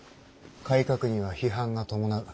改革には批判が伴う。